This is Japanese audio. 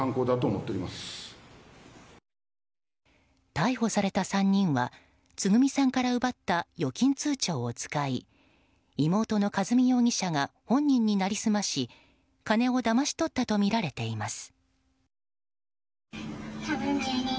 逮捕された３人はつぐみさんから奪った預金通帳を使い妹の和美容疑者が本人に成り済まし金をだまし取ったとみられています。